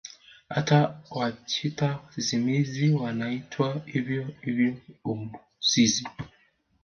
Hata Wajita sisimizi wanaitwa hivyo hivyo obhusisi